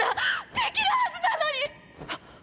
できるはずなのに！！っ！！